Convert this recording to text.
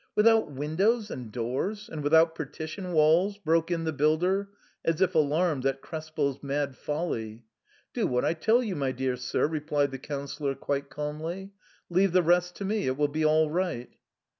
" Without windows and doors, and without partition walls ?" broke in the builder, as if alarmed at Krespel's mad folly. "Do what I tell you, my dear sir," replied the Councillor quite calmly ;" leave the rest to me ; it will be all right."